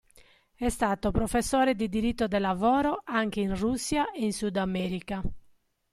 È stato professore di diritto del lavoro anche in Russia e in Sud America.